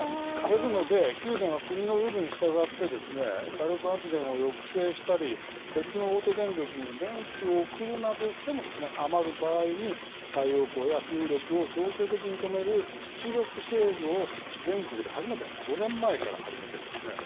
ですので、九電は国のルールに従ってですね、火力発電を抑制したり、別の大手電力に電気を送るなどしてもですね、余る場合に、太陽光や風力を強制的に止める出力制御を、全国で初めて、５年前から始めてるんですね。